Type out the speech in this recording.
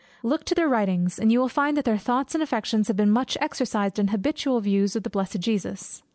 Look to their writings, and you will find that their thoughts and affections had been much exercised in habitual views of the blessed Jesus.